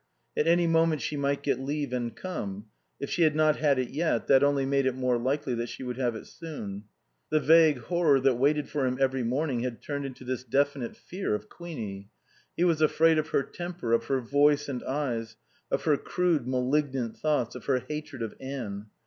At any moment she might get leave and come; if she had not had it yet that only made it more likely that she would have it soon. The vague horror that waited for him every morning had turned into this definite fear of Queenie. He was afraid of her temper, of her voice and eyes, of her crude, malignant thoughts, of her hatred of Anne.